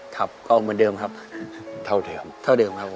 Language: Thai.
ก็เหมือนเดิมครับเท่าเดิมครับ